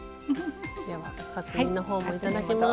ではカツ煮のほうも頂きます。